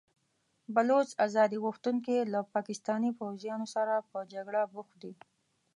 بلوڅ ازادي غوښتونکي له پاکستاني پوځیانو سره په جګړه بوخت دي.